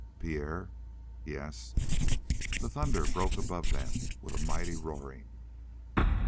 "Pierre." "Yes." The thunder broke above them with a mighty roaring.